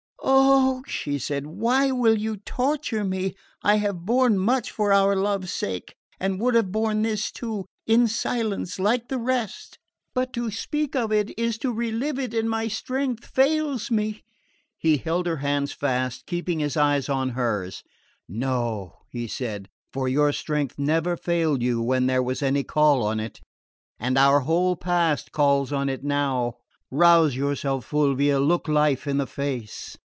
"Oh," she said, "why will you torture me? I have borne much for our love's sake, and would have borne this too in silence, like the rest but to speak of it is to relieve it; and my strength fails me!" He held her hands fast, keeping his eyes on hers. "No," he said, "for your strength never failed you when there was any call on it; and our whole past calls on it now. Rouse yourself, Fulvia: look life in the face!